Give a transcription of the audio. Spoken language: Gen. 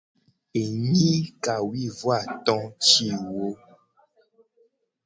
Enyi kawuivoato ti wo.